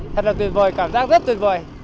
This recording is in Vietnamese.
thật là tuyệt vời cảm giác rất tuyệt vời